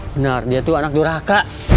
benar dia tuh anak duraka